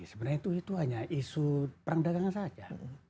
sebenarnya itu hanya isu perang dagangan saja